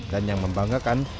dan yang membanggakan